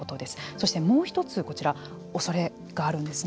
そして、もう一つ、こちらおそれがあるんですね。